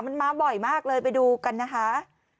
มันมาบ่อยมากเลยไปดูกันนะคะ